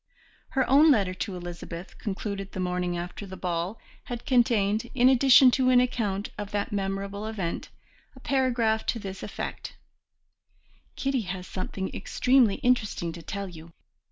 Her own letter to Elizabeth, concluded the morning after the ball, had contained, in addition to an account of that memorable event, a paragraph to this effect: "Kitty has something extremely interesting to tell you.